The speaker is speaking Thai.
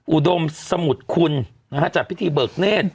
อุดมสมุทรคุณจัดพิธีเบิกเนธ